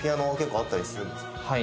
はい。